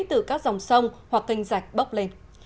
từ các dòng sông hoặc kênh rạch bốc lên